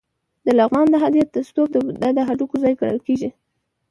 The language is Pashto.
د لغمان د هده ستوپ د بودا د هډوکو ځای ګڼل کېږي